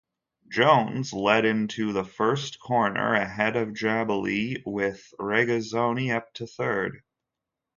Jones led into the first corner ahead of Jabouille, with Regazzoni up to third.